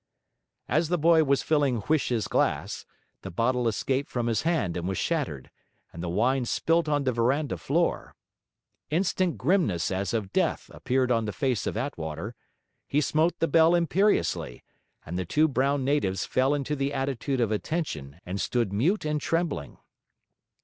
As the boy was filling Huish's glass, the bottle escaped from his hand and was shattered, and the wine spilt on the verandah floor. Instant grimness as of death appeared on the face of Attwater; he smote the bell imperiously, and the two brown natives fell into the attitude of attention and stood mute and trembling.